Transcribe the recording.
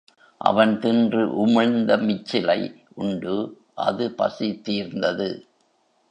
அவன் தின்றுஉமிழ்ந்த மிச்சிலை உண்டு அது பசி தீர்ந்தது.